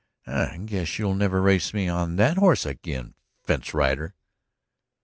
"I guess you'll never race me on that horse again, fence rider!"